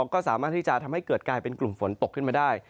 ก็สามารถที่จะทำให้เกิดกลายเป็นกลุ่มฝนตกขึ้นมาได้